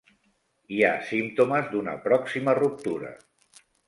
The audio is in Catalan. Hi ha símptomes d'una pròxima ruptura.